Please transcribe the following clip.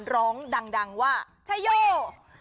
ร้องดังว่าชายโย